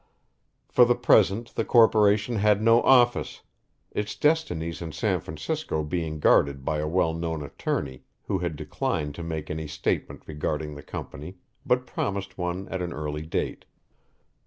For the present the corporation had no office, its destinies in San Francisco being guarded by a well known attorney who had declined to make any statement regarding the company but promised one at an early date.